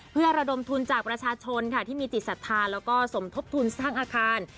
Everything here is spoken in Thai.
เพื่อระดมทุนจากประชาชนค่ะที่มีจิตศรัทธาแล้วก็สมทบทุนสร้างอาคาร